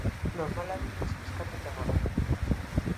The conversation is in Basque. Normala denez, kezkatuta dago.